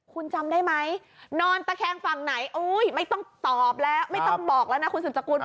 คุณจำได้ไหมนอนตะแคงฝั่งไหนไม่ต้องตอบแล้วไม่ต้องบอกแล้วนะคุณสุดสกุล